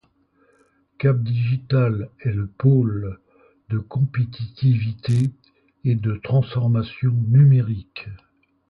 Cap Digital est le pôle de compétitivité et de transformation numérique.